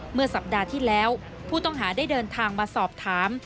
เมื่อสัปดาห์ที่แล้วผู้ต้องหาได้เดินทางมาสอบถาม